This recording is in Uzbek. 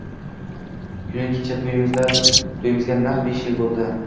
Kuni kecha to`yimizga naq beshyil bo`ldi